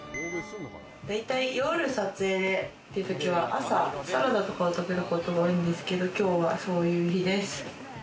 大体、夜撮影ってときは朝、サラダとかを食べることが多いんですけれども、きょうはそういう日です。